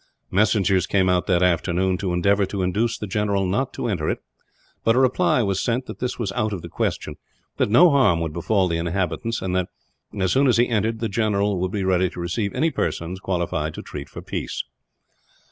Messengers came out that afternoon, to endeavour to induce the general not to enter it; but a reply was sent that this was out of the question, that no harm would befall the inhabitants, and that as soon as he entered the general would be ready to receive any persons qualified to treat for peace.